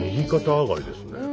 右肩上がりですね。